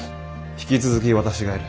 引き続き私がやる。